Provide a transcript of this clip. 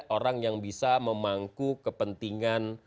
orang yang bisa memangku kepentingan